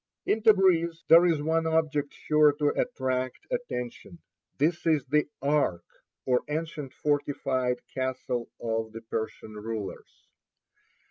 LEAVING KHOI. In Tabreez there is one object sure to attract attention. This is the "Ark," or ancient fortified castle of the Persian rulers.